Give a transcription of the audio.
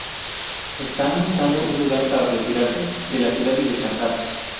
Están buscando un lugar para retirarse de la ciudad y descansar.